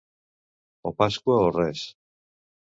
O Pasqua o res.